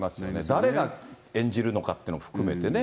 誰が演じるのかっていうのを含めてね。